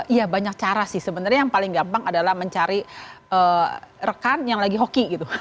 iya banyak cara sih sebenarnya yang paling gampang adalah mencari rekan yang lagi hoki gitu